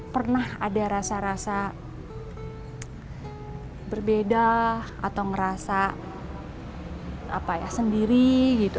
pernah ada rasa rasa berbeda atau ngerasa sendiri gitu